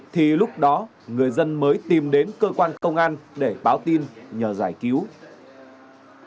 thì lúc đó người dân mới tìm đến cơ quan công an để báo tin nhờ giải cứu